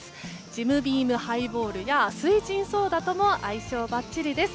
ジムビームハイボールや翠ジンソーダとも相性ばっちりです。